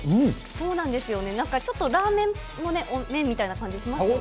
そうなんですよね、ちょっとラーメンの麺みたいな感じしますよね。